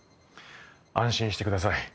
安心してください。